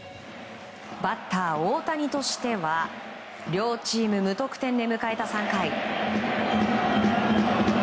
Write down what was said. バッター大谷としては両チーム無得点で迎えた３回。